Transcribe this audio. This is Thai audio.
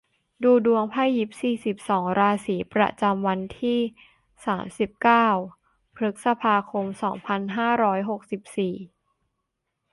ดูดวงไพ่ยิปซี สิบสอง ราศี ประจำวันที่ สามสิบเก้า พฤษภาคม สองพันห้าร้อยหกสิบสี่